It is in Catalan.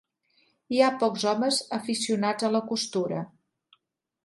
Hi ha pocs homes aficionats a la costura.